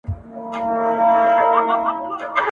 څومره ښایسته وې ماشومتوبه خو چي نه تېرېدای !.